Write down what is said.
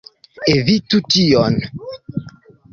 Evitu tion!